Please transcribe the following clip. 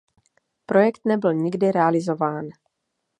Projekt nebyl nikdy realizován.